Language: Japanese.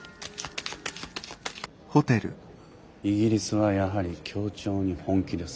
イギリスはやはり協調に本気です。